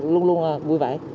luôn luôn vui vẻ